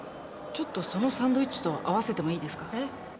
ちょっとそのサンドイッチと合わせてもいいですか？